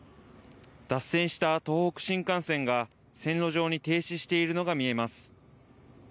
脱線した東北新幹線が線路上に停止しているのが見えます。